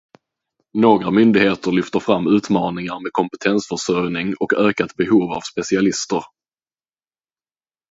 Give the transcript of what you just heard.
Några myndigheter lyfter fram utmaningar med kompetensförsörjning och ökat behov av specialister.